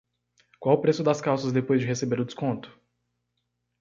Qual o preço das calças depois de receber o desconto?